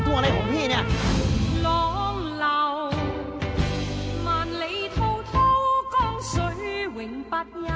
วิเศษแด่งตัวอะไรของพี่เนี่ย